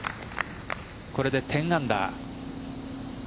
これで１０アンダー。